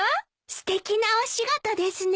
すてきなお仕事ですね。